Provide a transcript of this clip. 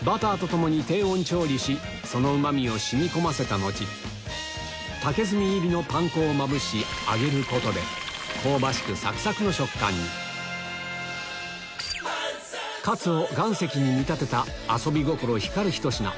そのうまみを染み込ませた後竹炭入りのパン粉をまぶし揚げることで香ばしくサクサクの食感にカツを岩石に見立てた遊び心光るひと品